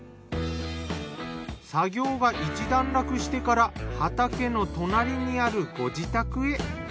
作業が一段落してから畑の隣にあるご自宅へ。